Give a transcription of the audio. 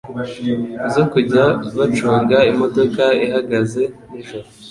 zo kujya bacunga imodoka ihagaze n'ijoro